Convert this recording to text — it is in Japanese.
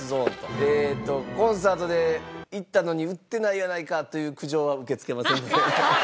えっとコンサートで行ったのに売ってないやないかという苦情は受け付けませんので。